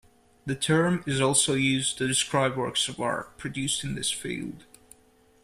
The term also is used to describe works of art produced in this field.